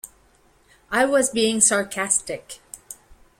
I was being sarcastic.